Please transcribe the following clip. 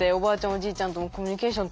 おじいちゃんともコミュニケーション